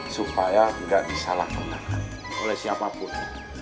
supaya gak disalahkan oleh siapapun